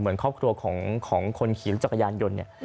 เหมือนครอบครัวของคนขี่รถจักรยานยนต์เนี่ย